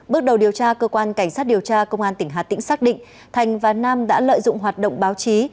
bước đầu điều tra cơ quan cảnh sát điều tra công an tỉnh hà tĩnh xác định thành và nam đã lợi dụng hoạt động báo chí